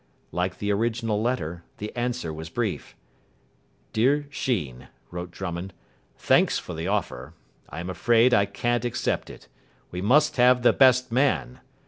Like the original letter, the answer was brief. "Dear Sheen," wrote Drummond, "thanks for the offer. I am afraid I can't accept it. We must have the best man.